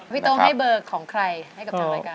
โต้งให้เบอร์ของใครให้กับทางรายการ